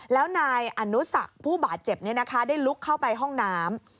แล้วนายอนุสักผู้บาดเจ็บได้ลุกเข้าไปห้องน้ำ